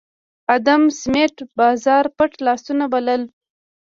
ادم سمېت بازار پټ لاسونه بلل